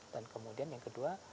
dan kemudian yang kedua